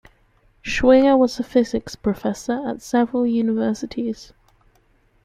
Schwinger was a physics professor at several universities.